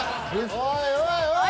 おいおいおい！